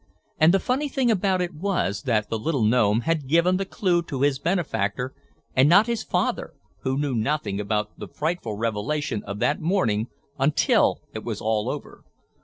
And the funny thing about it was that the little gnome had given the clew to his benefactor and not his father who knew nothing about the frightful revelation of that morning until it was all over.